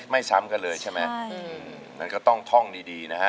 ซ้ำกันเลยใช่ไหมมันก็ต้องท่องดีนะฮะ